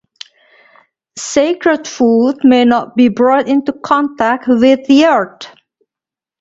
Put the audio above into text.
Sacred food may not be brought into contact with the earth.